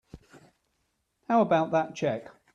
How about that check?